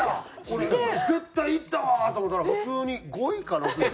俺絶対いったわと思ったら普通に５位か６位。